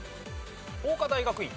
法科大学院。